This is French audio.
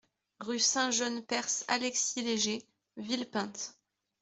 Rue Saint-John Perse Alexis Léger, Villepinte